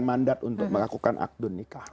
mandat untuk melakukan akdun nikah